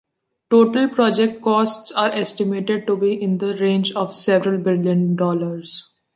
Total project costs are estimated to be in the range of several billion dollars.